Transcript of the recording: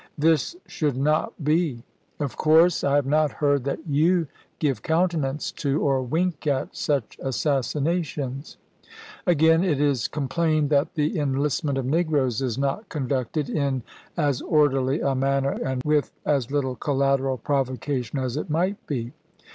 This should not be. Of course, I have not heard that you give counte nance to, or wink at, such assassinations. Again, it is 476 ABRAHAM LINCOLN Chap. XX. Complained that the enlistment of negroes is not con ducted in as orderly a manner and with as little collateral provocation, as it might be.